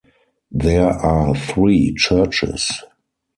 There are three churches.